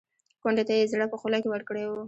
کونډې ته یې زړه په خوله کې ورکړی و.